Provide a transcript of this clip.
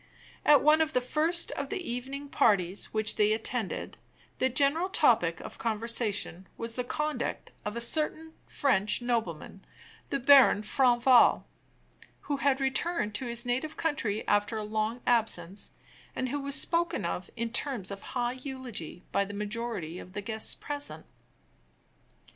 At one of the first of the evening parties which they attended, the general topic of conversation was the conduct of a certain French nobleman, the Baron Franval, who had returned to his native country after a long absence, and who was spoken of in terms of high eulogy by the majority of the guests present.